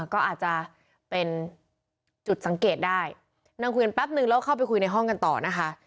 ก็อาจจะเป็นจุดสังเกตได้นั่งคุยกันแป๊บนึงแล้วเข้าไปคุยในห้องกันต่อนะคะ